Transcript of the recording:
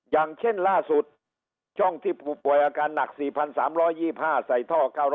อย่างเช่นล่าสุดช่องที่ผู้ป่วยอาการหนัก๔๓๒๕ใส่ท่อ๙๐๐